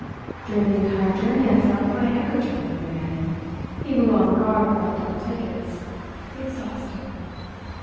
During the entire journey I sat with my handkerchief over my head, even while the guard collected the tickets. Exhausted!"